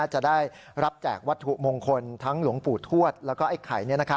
จะได้รับแจกวัตถุมงคลทั้งหลวงปู่ทวดแล้วก็ไอ้ไข่